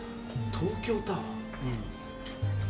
東京タワー。